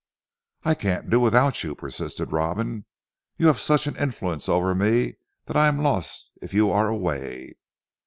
"I can't do without you," persisted Robin. "You have such an influence over me that I am lost if you are away."